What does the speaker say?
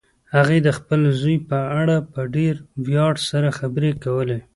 هغې د خپل زوی په اړه په ډېر ویاړ سره خبرې کولې